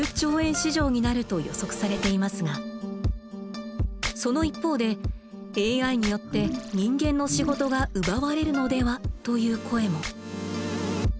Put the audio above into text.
市場になると予測されていますがその一方でＡＩによって人間の仕事が奪われるのでは？という声も。